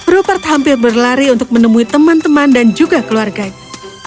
rupert hampir berlari untuk menemui teman teman dan juga keluarganya